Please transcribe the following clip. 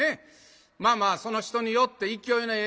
まあまあその人によって勢いのええ